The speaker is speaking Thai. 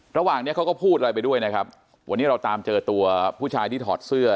ระหว่างนี้เขาก็พูดอะไรไปด้วยนะครับวันนี้เราตามเจอตัวผู้ชายที่ถอดเสื้อ